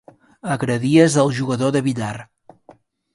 Agredies el jugador de billar.